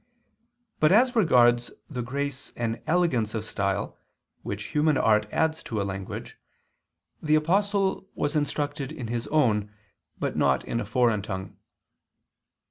But as regards the grace and elegance of style which human art adds to a language, the Apostle was instructed in his own, but not in a foreign tongue.